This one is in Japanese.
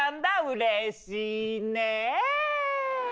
うれしいねぇ。